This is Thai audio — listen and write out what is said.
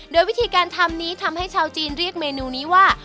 โดยวิธีการทำนี้ทำให้ชาวจีนเรียกเมนูนี้ว่า